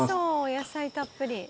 野菜たっぷり。